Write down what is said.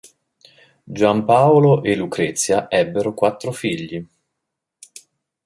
Giampaolo e Lucrezia ebbero quattro figli.